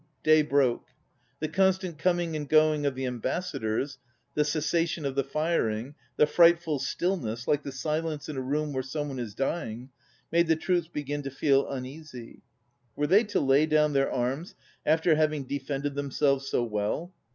Day broke. The constant coming and going of the ambassadors, the cessation of the firing, the fright ful stillness, Uke the silence in a room where some one is dying, made the troops begin to feel un easy. Were they to lay down their arms after having defended them selves so well?